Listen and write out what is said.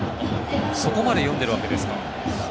そこまで読んでるわけですか。